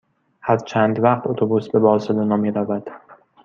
هر چند وقت اتوبوس به بارسلونا می رود؟